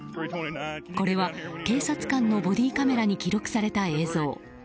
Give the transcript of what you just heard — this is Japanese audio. これは警察官のボディーカメラに記録された映像。